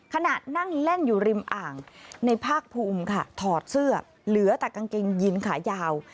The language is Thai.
ขณะนั่งเล่นอยู่ริมอ่างในภาคภูมิค่ะถอดเสื้อเหลือแต่กางเกงยินขายาว